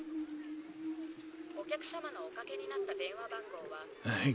お客様のおかけになった電話番号は。